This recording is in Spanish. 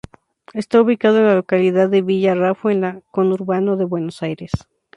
Está ubicado en la localidad de Villa Raffo en el conurbano de Buenos Aires.